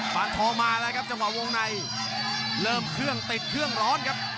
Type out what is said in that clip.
ทองมาแล้วครับจังหวะวงในเริ่มเครื่องติดเครื่องร้อนครับ